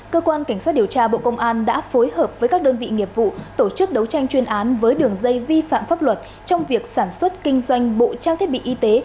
cơ quan cảnh sát điều tra bộ công an đã phối hợp với các đơn vị nghiệp vụ tổ chức đấu tranh chuyên án với đường dây vi phạm pháp luật trong việc sản xuất kinh doanh bộ trang thiết bị y tế